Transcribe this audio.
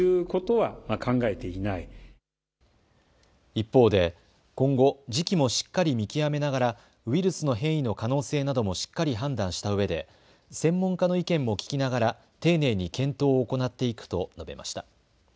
一方で今後、時期もしっかり見極めながらウイルスの変異の可能性などもしっかり判断したうえで専門家の意見も聞きながら丁寧に検討を行っていくと述べました。